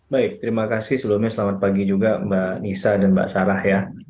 baik terima kasih sebelumnya selamat pagi juga mbak nisa dan mbak sarah ya